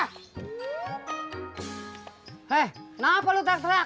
hei kenapa lo tak terak